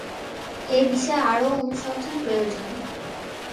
এই বিষয়ে আরো অনুসন্ধান প্রয়োজন।